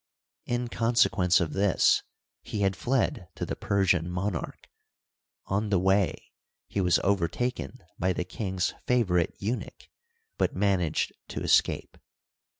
In consequence of this he had fled to the Persian monarch. On the way he was overtaken by the king's favorite eu nuch, but managed to escape.